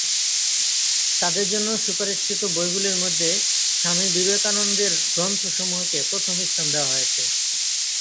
তাদের জন্য সুপারিশকৃত বইগুলির মধ্যে স্বামী বিবেকানন্দের গ্রন্থসমূহকে প্রথম স্থান দেওয়া হয়েছে।